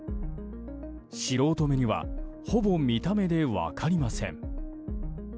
素人目には、ほぼ見た目で分かりません。